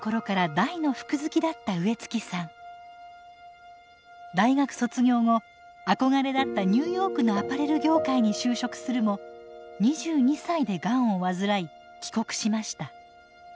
大学卒業後憧れだったニューヨークのアパレル業界に就職するも２２歳でガンを患い帰国しました。